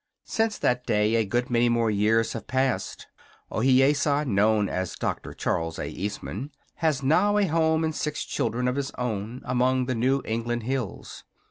Since that day, a good many more years have passed. Ohiyesa, known as Doctor Charles A. Eastman, has now a home and six children of his own among the New England hills.